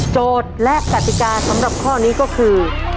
โจทย์และคาติกาสำหรับข้อนี้ก็คือ